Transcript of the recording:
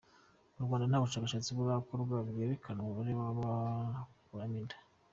Mu Rwanda, nta bushakshatsi burakorwa bwerekana umubare w’abakuramo inda.